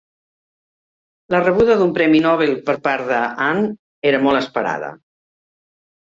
La rebuda d'un premi Nobel per part de Hahn era molt esperada.